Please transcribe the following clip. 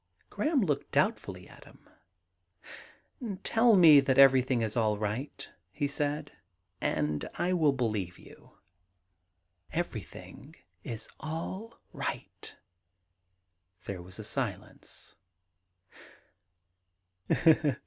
Graham looked doubtfully at him. ^Tell me that ever3i;hing is all right,' he said, *and I will believe you.' * Everything is all right.' There was a silence.